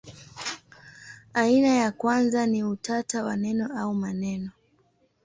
Aina ya kwanza ni utata wa neno au maneno.